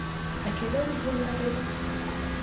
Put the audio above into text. À quelle heure ouvre le magasin ?